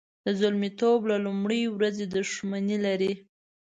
د زلمیتوب له لومړۍ ورځې دښمني لري.